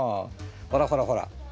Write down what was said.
ほらほらほら